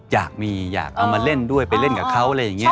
อยากมีอยากเอามาเล่นด้วยไปเล่นกับเขาอะไรอย่างนี้